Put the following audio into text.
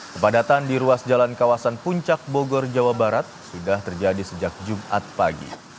kepadatan di ruas jalan kawasan puncak bogor jawa barat sudah terjadi sejak jumat pagi